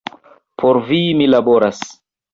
Por vi, mi laboras.